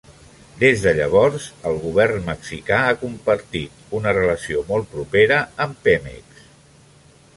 Des de llavors, el govern mexicà ha compartir una relació molt propera amb Pemex.